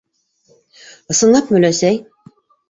- Ысынлапмы, өләсәй?